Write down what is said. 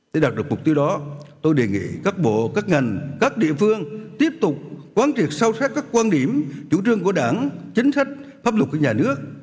sau đó tôi đề nghị các bộ các ngành các địa phương tiếp tục quán triệt sâu sát các quan điểm chủ trương của đảng chính sách pháp luật của nhà nước